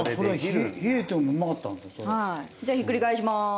じゃあひっくり返します。